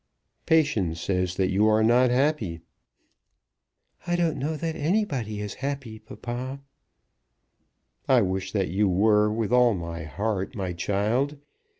"Patience says that you are not happy." "I don't know that anybody is happy, papa." "I wish that you were with all my heart, my child.